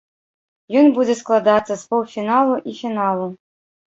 Ён будзе складацца з паўфіналу і фіналу.